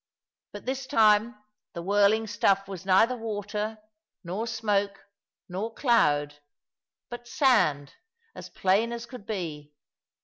But this time the whirling stuff was neither water, nor smoke, nor cloud; but sand, as plain as could be.